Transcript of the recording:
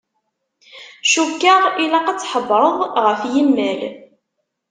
Cukkeɣ ilaq ad tḥebbreḍ ɣef yimal.